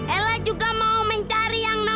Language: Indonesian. ella juga mau mencari yang nol